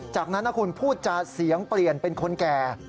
จากนั้นนะคุณพูดจาเสียงเปลี่ยนเป็นคนแก่